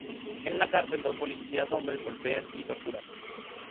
En la cárcel, dos policías hombres la golpean y torturan.